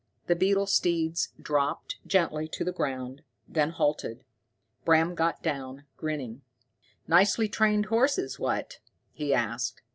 The beetle steeds dropped gently to the ground; they halted. Bram got down, grinning. "Nicely trained horses, what?" he asked.